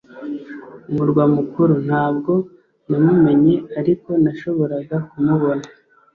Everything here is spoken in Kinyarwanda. umurwa mukuru. ntabwo namumenye ariko nashoboraga kumubona